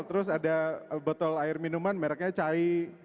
terus ada botol air minuman merknya chai